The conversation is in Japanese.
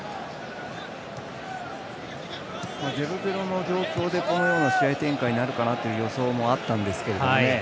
０−０の状況でこのような試合展開になるかなという予想もあったんですけどね。